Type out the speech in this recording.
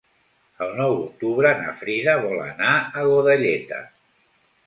El nou d'octubre na Frida vol anar a Godelleta.